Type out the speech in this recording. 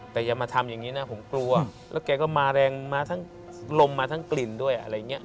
แต่อย่ามาทำอย่างนี้นะผมกลัวแล้วแกก็มาแรงมาทั้งลมมาทั้งกลิ่นด้วยอะไรอย่างนี้